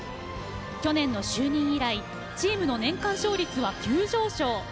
去年の就任以来チームの年間勝率は急上昇。